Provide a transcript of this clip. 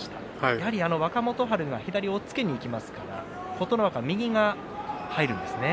やはり若元春が左押っつけにいきましたが琴ノ若、右が入るんですね。